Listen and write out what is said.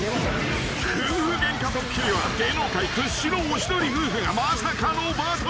［夫婦ゲンカドッキリは芸能界屈指のおしどり夫婦がまさかのバトル］